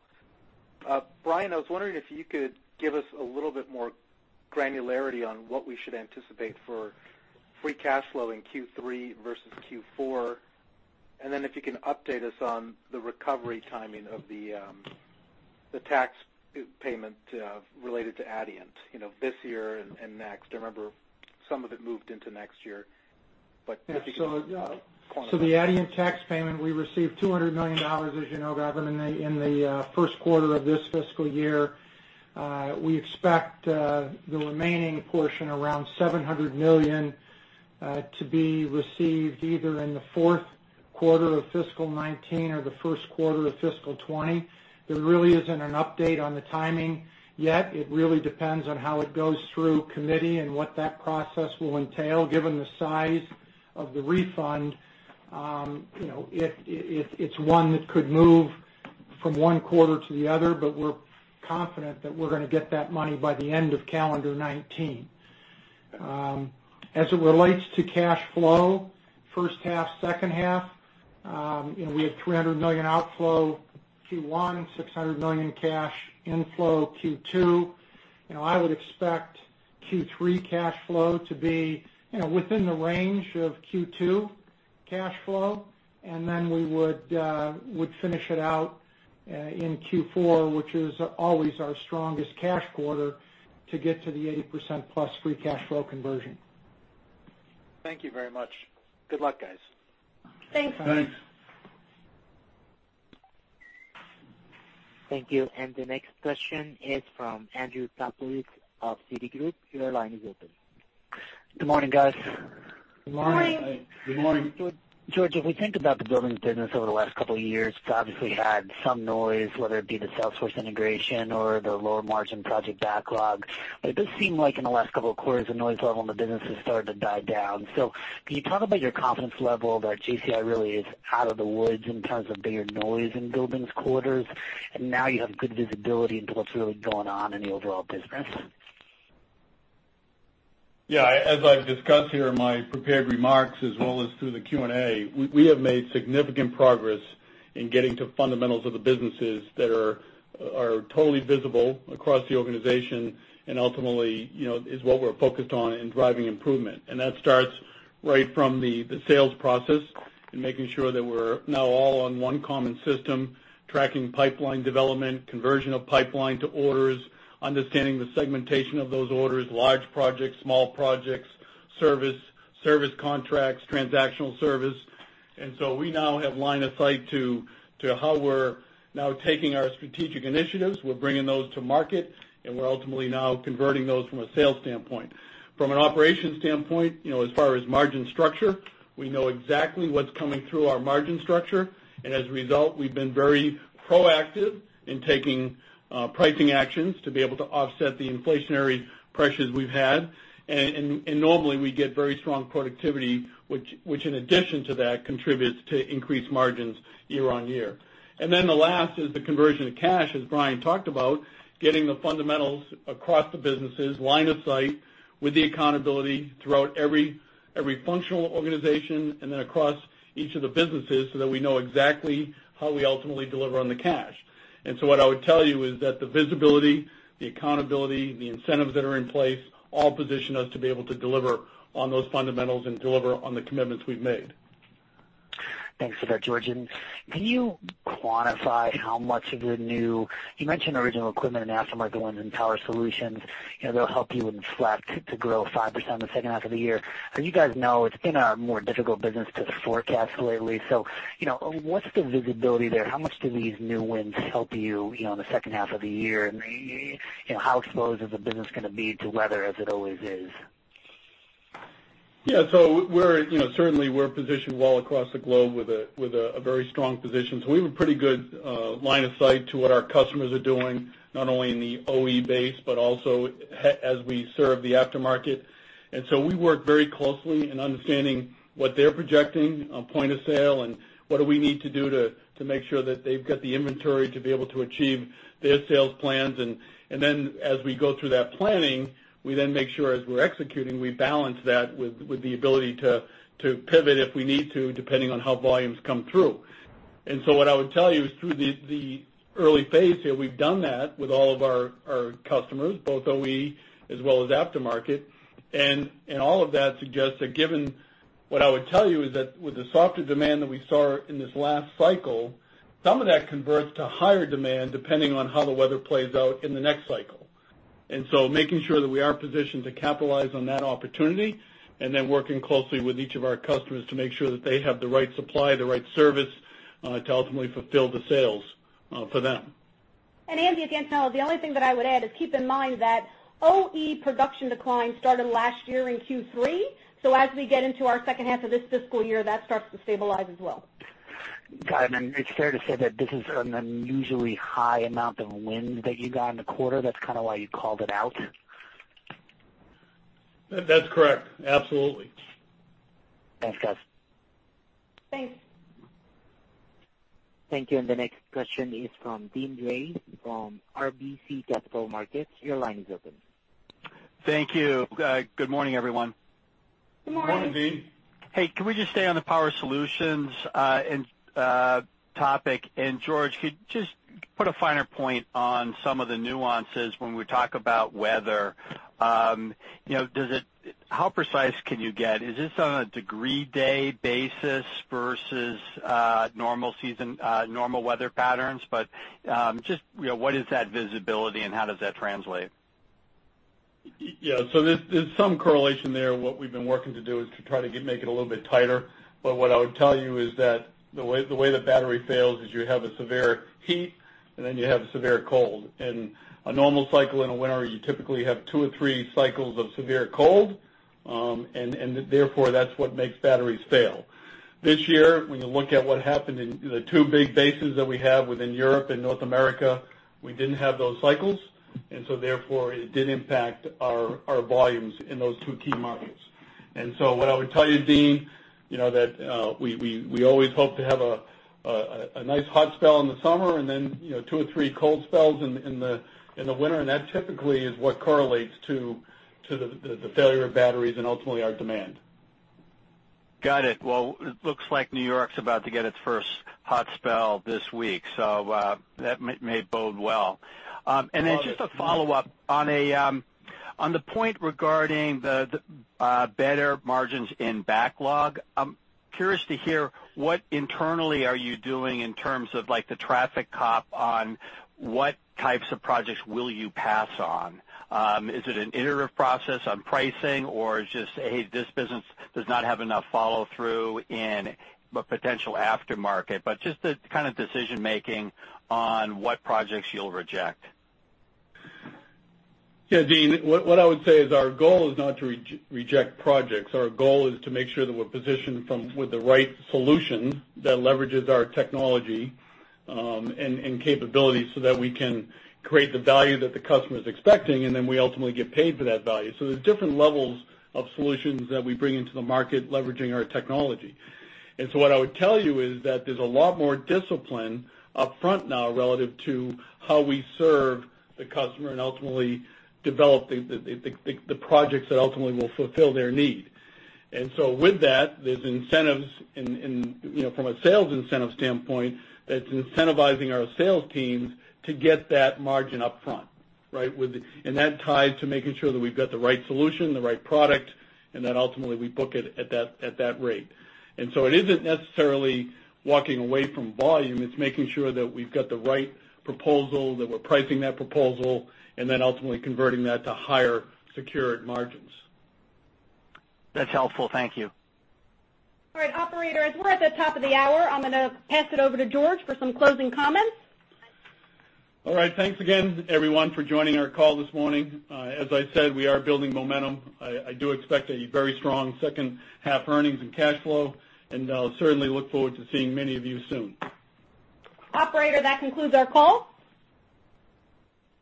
Brian Stief, I was wondering if you could give us a little bit more granularity on what we should anticipate for free cash flow in Q3 versus Q4, then if you can update us on the recovery timing of the tax payment related to Adient, this year and next. I remember some of it moved into next year. The Adient tax payment, we received $200 million, as you know, Gautam Khanna, in the first quarter of this fiscal year. We expect the remaining portion, around $700 million, to be received either in the fourth quarter of fiscal 2019 or the first quarter of fiscal 2020. There really isn't an update on the timing yet. It really depends on how it goes through committee and what that process will entail, given the size of the refund. It's one that could move from one quarter to the other, but we're confident that we're going to get that money by the end of calendar 2019. As it relates to cash flow, first half, second half, we had $300 million outflow Q1, $600 million cash inflow Q2. I would expect Q3 cash flow to be within the range of Q2 cash flow. We would finish it out in Q4, which is always our strongest cash quarter, to get to the 80%-plus free cash flow conversion. Thank you very much. Good luck, guys. Thanks. Thanks. Thank you. The next question is from Andrew Kaplowitz of Citigroup. Your line is open. Good morning, guys. Good morning. Good morning. George, if we think about the buildings business over the last couple of years, it's obviously had some noise, whether it be the Salesforce integration or the lower margin project backlog. It does seem like in the last couple of quarters, the noise level in the business is starting to die down. Can you talk about your confidence level that JCI really is out of the woods in terms of bigger noise in buildings quarters, and now you have good visibility into what's really going on in the overall business? Yeah. As I've discussed here in my prepared remarks as well as through the Q&A, we have made significant progress in getting to fundamentals of the businesses that are totally visible across the organization and ultimately, is what we're focused on in driving improvement. That starts right from the sales process and making sure that we're now all on one common system, tracking pipeline development, conversion of pipeline to orders, understanding the segmentation of those orders, large projects, small projects, service contracts, transactional service. We now have line of sight to how we're now taking our strategic initiatives. We're bringing those to market, and we're ultimately now converting those from a sales standpoint. From an operations standpoint, as far as margin structure, we know exactly what's coming through our margin structure. As a result, we've been very proactive in taking pricing actions to be able to offset the inflationary pressures we've had. Normally, we get very strong productivity, which in addition to that, contributes to increased margins year-on-year. The last is the conversion of cash, as Brian talked about, getting the fundamentals across the businesses, line of sight with the accountability throughout every functional organization and then across each of the businesses so that we know exactly how we ultimately deliver on the cash. What I would tell you is that the visibility, the accountability, the incentives that are in place all position us to be able to deliver on those fundamentals and deliver on the commitments we've made. Thanks for that, George. Can you quantify how much of the new, You mentioned original equipment and aftermarket ones and Power Solutions. They'll help you in flex to grow 5% in the second half of the year. As you guys know, it's been a more difficult business to forecast lately. What's the visibility there? How much do these new wins help you in the second half of the year, and how exposed is the business going to be to weather as it always is? Yeah. Certainly, we're positioned well across the globe with a very strong position. We have a pretty good line of sight to what our customers are doing, not only in the OE base, but also as we serve the aftermarket. We work very closely in understanding what they're projecting on point of sale, what do we need to do to make sure that they've got the inventory to be able to achieve their sales plans. As we go through that planning, we then make sure as we're executing, we balance that with the ability to pivot if we need to, depending on how volumes come through. What I would tell you is through the early phase here, we've done that with all of our customers, both OE as well as aftermarket. All of that suggests that given what I would tell you is that with the softer demand that we saw in this last cycle, some of that converts to higher demand depending on how the weather plays out in the next cycle. Making sure that we are positioned to capitalize on that opportunity, then working closely with each of our customers to make sure that they have the right supply, the right service, to ultimately fulfill the sales for them. Andy, again, the only thing that I would add is keep in mind that OE production decline started last year in Q3. As we get into our second half of this fiscal year, that starts to stabilize as well. Got it. It's fair to say that this is an unusually high amount of wins that you got in the quarter. That's kind of why you called it out? That's correct. Absolutely. Thanks, guys. Thanks. Thank you. The next question is from Deane Dray from RBC Capital Markets. Your line is open. Thank you. Good morning, everyone. Good morning. Good morning, Deane. Hey, can we just stay on the Power Solutions topic? George, could you just put a finer point on some of the nuances when we talk about weather. How precise can you get? Is this on a degree day basis versus normal weather patterns? Just what is that visibility and how does that translate? Yeah. There's some correlation there. What we've been working to do is to try to make it a little bit tighter. What I would tell you is that the way the battery fails is you have a severe heat, then you have a severe cold. In a normal cycle in a winter, you typically have two or three cycles of severe cold. Therefore, that's what makes batteries fail. This year, when you look at what happened in the two big bases that we have within Europe and North America, we didn't have those cycles. Therefore, it did impact our volumes in those two key markets. What I would tell you, Deane, that we always hope to have a nice hot spell in the summer and then two or three cold spells in the winter. That typically is what correlates to the failure of batteries and ultimately our demand. Got it. Well, it looks like New York's about to get its first hot spell this week, so that may bode well. Just a follow-up. On the point regarding the better margins in backlog, I'm curious to hear what internally are you doing in terms of the traffic cop on what types of projects will you pass on. Is it an iterative process on pricing, or is just, hey, this business does not have enough follow-through in the potential aftermarket. Just the kind of decision making on what projects you'll reject. Yeah, Deane, what I would say is our goal is not to reject projects. Our goal is to make sure that we're positioned with the right solution that leverages our technology and capabilities so that we can create the value that the customer is expecting, and then we ultimately get paid for that value. There's different levels of solutions that we bring into the market, leveraging our technology. What I would tell you is that there's a lot more discipline upfront now relative to how we serve the customer and ultimately develop the projects that ultimately will fulfill their need. With that, there's incentives from a sales incentive standpoint, that's incentivizing our sales teams to get that margin upfront, right? That ties to making sure that we've got the right solution, the right product, and that ultimately we book it at that rate. It isn't necessarily walking away from volume, it's making sure that we've got the right proposal, that we're pricing that proposal, and then ultimately converting that to higher secured margins. That's helpful. Thank you. All right, operators, we're at the top of the hour. I'm going to pass it over to George for some closing comments. All right. Thanks again, everyone, for joining our call this morning. As I said, we are building momentum. I do expect a very strong second half earnings and cash flow, and I'll certainly look forward to seeing many of you soon. Operator, that concludes our call.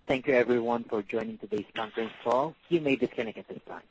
Thank you everyone for joining today's conference call. You may disconnect at this time.